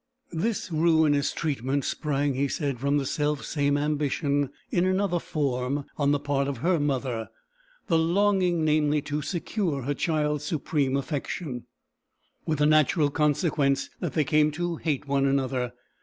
This ruinous treatment sprang, he said, from the self same ambition, in another form, on the part of her mother the longing, namely, to secure her child's supreme affection with the natural consequence that they came to hate one another.